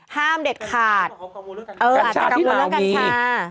ห้ามเด็ดขาดการช่าที่เรามีเอออาจจะกระโมงเรื่องการช่า